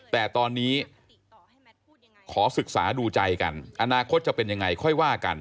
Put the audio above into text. แต่ตอนนี้ขอศึกษาดูใจกันอนาคตจะเป็นยังไงค่อยว่ากัน